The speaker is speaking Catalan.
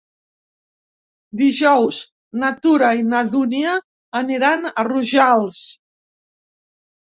Dijous na Tura i na Dúnia aniran a Rojals.